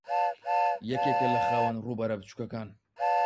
یەکێکە لە خاوەن ڕووبەرە بچووکەکان